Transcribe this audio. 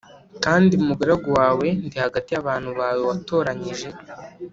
Kandi umugaragu wawe ndi hagati y’abantu bawe watoranyije